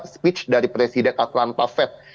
speech dari presiden atlanta fed